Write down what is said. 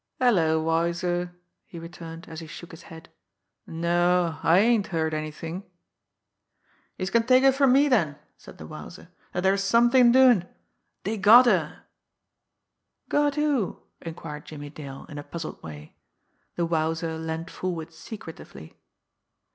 "Hello, Wowzer!" he returned, as he shook his head. "No, I ain't heard anything." "Youse can take it from me den," said the Wowzer, "dat dere's something doin'! Dey got her!" "Got who?" enquired Jimmie Dale in a puzzled way. The Wowzer leaned forward secretively.